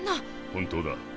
本当だ。